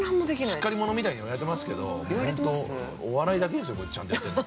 ◆しっかり者みたいに言われていますけどお笑いだけですよ、こいつちゃんとやってるの。